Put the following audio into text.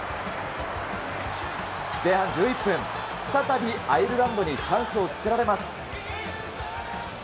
前半１１分、再びアイルランドにチャンスを作られます。